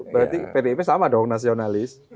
berarti pdip sama dong nasionalis